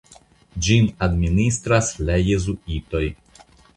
Ĝin administras la jezuitoj.